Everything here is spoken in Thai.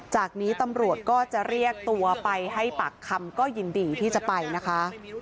จากนี้ตำรวจก็จะเรียกตัวไปให้ปากคำก็ยินดีที่จะไปนะคะ